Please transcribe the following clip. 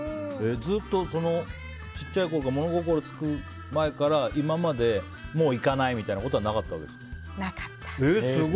ずっと物心つく前から今までもう行かない！みたいなことはなかったんですか。